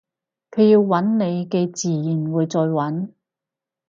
佢要搵你嘅自然會再搵